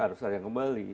harus ada yang kembali